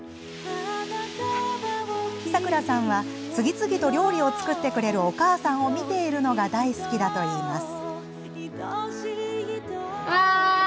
さくらさんは次々と料理を作ってくれるお母さんを見ているのが大好きだといいます。